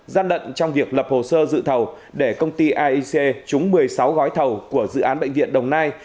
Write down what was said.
gian lận trong việc lập hồ sơ dự thầu để công ty aic trúng một mươi sáu gói thầu của dự án bệnh viện đồng nai